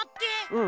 うん。